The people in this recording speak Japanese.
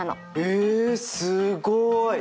えすごい！